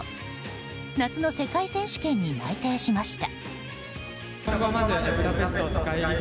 夏の世界選手権に内定しました。